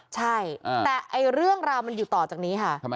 ใช่แต่เรื่องราวมันอยู่ต่อจากนี้ค่ะ